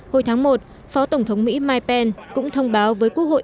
hồi tháng một phó tổng thống mỹ mike pen cũng thông báo với quốc hội